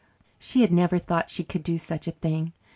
She had never thought she could do such a thing.